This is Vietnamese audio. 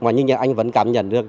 mà như anh vẫn cảm nhận được